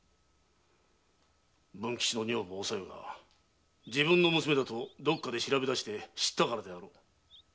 文吉の女房・おさよが自分の娘だとどこかで調べ知ったからだろう。